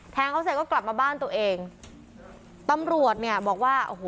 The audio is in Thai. แทงเขาเสร็จก็กลับมาบ้านตัวเองตำรวจเนี่ยบอกว่าโอ้โห